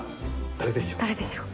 誰でしょう？